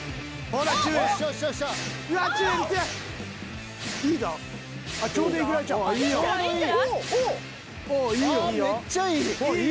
ああめっちゃいい。